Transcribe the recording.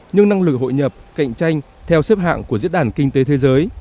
nhưng năng lực hội nhập cạnh tranh theo xếp hạng của diễn đàn kinh tế thế giới